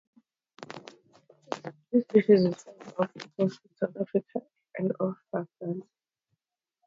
This species is found off the coast of South Africa and off the Falklands.